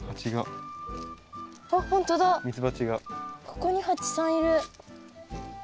ここにハチさんいる。